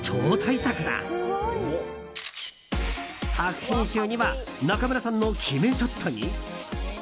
作品集には中村さんの決めショットに。